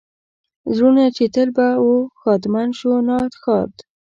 زړونه چې تل به و ښادمن شو ناښاد.